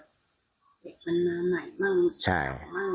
เด็กมันมาใหม่บ้าง